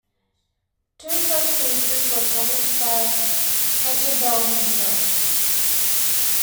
Two such pieces were published by Pachelbel himself.